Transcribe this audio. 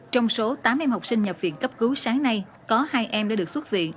trong số tám em học sinh nhập viện cấp cứu sáng nay có hai em đã được xuất viện